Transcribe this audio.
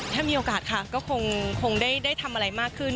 ถ้ามีโอกาสค่ะก็คงได้ทำอะไรมากขึ้น